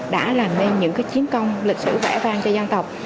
đã làm nên những chiến công lịch sử vẽ vang cho dân tộc